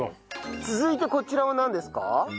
続いてこちらはなんですか？